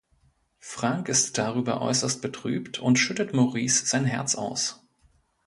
Frank ist darüber äußerst betrübt und schüttet Maurice sein Herz aus.